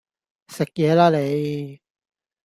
食野啦你